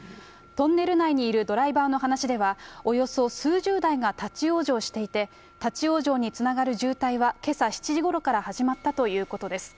トンネル内にいるドライバーの話では、およそ数十台が立往生していて、立往生につながる渋滞はけさ７時ごろから始まったということです。